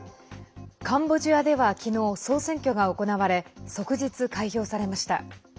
カンボジアでは昨日、総選挙が行われ即日開票されました。